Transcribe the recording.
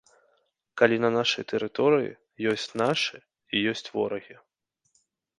Калі на нашай тэрыторыі ёсць нашы і ёсць ворагі.